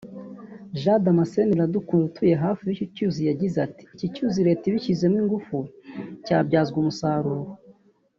Jean Damascene Iradukunda utuye hafi y’iki cyuzi yagize ati “Iki cyuzi Leta ibishyizemo ingufu cyabyazwa umusaruro